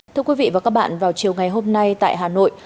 thưa quý vị và các bạn vào chiều ngày hôm nay tại hà nội